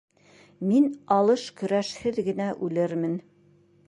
Мин алыш-көрәшһеҙ генә үлермен.